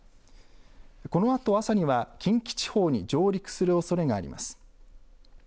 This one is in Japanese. このあと朝には近畿地方に上陸するおそれがあります。